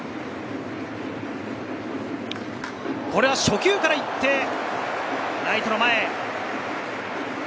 これは初球からいってライトの前。